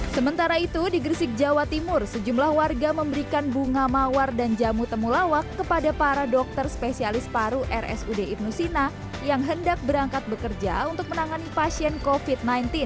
sementara itu di gresik jawa timur sejumlah warga memberikan bunga mawar dan jamu temulawak kepada para dokter spesialis paru rsud ibnu sina yang hendak berangkat bekerja untuk menangani pasien covid sembilan belas